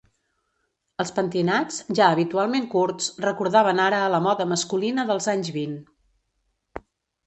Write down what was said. Els pentinats, ja habitualment curts, recordaven ara a la moda masculina dels anys vint.